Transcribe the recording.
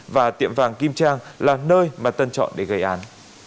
và tiệm vàng kim trang là nơi mà tân chọn để gây án